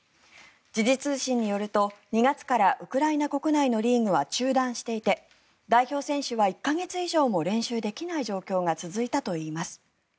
時事通信によると２月からウクライナ国内のリーグは中断していて代表選手は１か月以上も練習できない状態が続いたといいます。